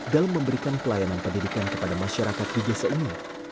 dalam memberikan pelayanan pendidikan kepada masyarakat di desa ini